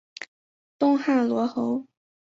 东汉罗侯。